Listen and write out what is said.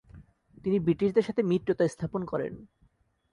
তিনি ব্রিটিশদের সাথে মিত্রতা স্থাপন করেন।